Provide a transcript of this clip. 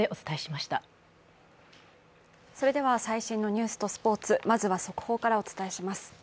それでは、最新のニュースとスポーツ、まずは速報からお伝えします。